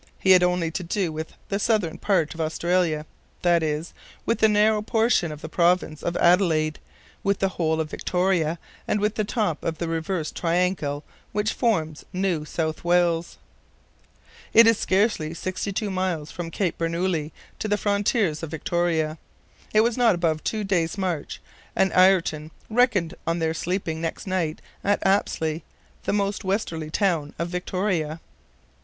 He had only to do with the southern part of Australia viz., with a narrow portion of the province of Adelaide, with the whole of Victoria, and with the top of the reversed triangle which forms New South Wales. It is scarcely sixty two miles from Cape Bernouilli to the frontiers of Victoria. It was not above a two days' march, and Ayrton reckoned on their sleeping next night at Apsley, the most westerly town of Victoria.